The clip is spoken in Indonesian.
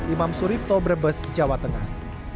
imam suripto brebes jawa tengah